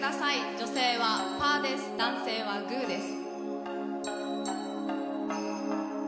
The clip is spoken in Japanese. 女性はパーで、男性は手は、グーです。